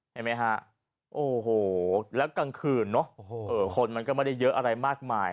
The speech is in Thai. เห็นไหมฮะโอ้โหแล้วกลางคืนเนอะคนมันก็ไม่ได้เยอะอะไรมากมาย